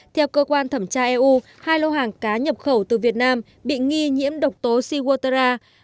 theo cơ quan thẩm tra eu hai lô hàng cá nhập khẩu từ việt nam bị nghi nhiễm độc tố sigutara